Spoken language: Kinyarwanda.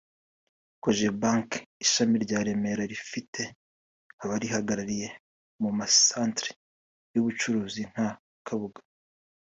Cogebanque ishami rya Remera rifite abarihagarariye mu ma centres y’ubucuruzi nka Kabuga